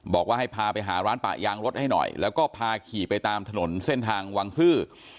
บอกว่าให้พาไปหาร้านปะยางรถให้หน่อยแล้วก็พาขี่ไปตามถนนเส้นทางวังซื่อ